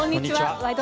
「ワイド！